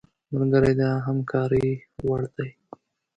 ملګری د همکارۍ وړ دی